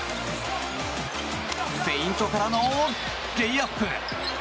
フェイントからのレイアップ！